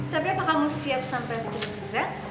tapi apa kamu siap sampai trik z